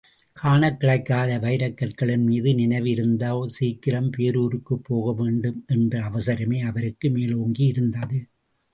காணக் கிடைக்காத வைரக் கற்களின் மீதே நினைவு இருந்ததால், சீக்கிரம் பேரூருக்குப்போக வேண்டும் என்ற அவசரமே அவருக்கு மேலோங்கியிருந்தது.